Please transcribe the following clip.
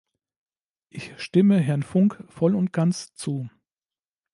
Ich stimme Herrn Funk voll und ganz zu.